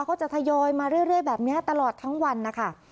ก็จะทยอยมาเรื่อยแบบนี้ตลอดทั้งวันนะคะ